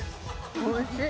おいしい。